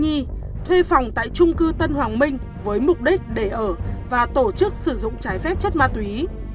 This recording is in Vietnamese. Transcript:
nhi thuê phòng tại trung cư tân hoàng minh với mục đích để ở và tổ chức sử dụng trái phép chất ma túy